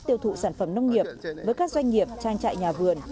tiêu thụ sản phẩm nông nghiệp với các doanh nghiệp trang trại nhà vườn